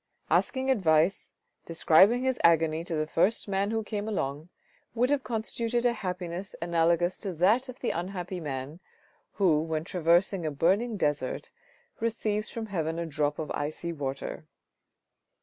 Asking advice, describing his agony to the first man who came along THE OPERA BOUFFE 367 would have constituted a happiness analogous to that of the unhappy man who, when traversing a burning desert receives from heaven a drop of icy water.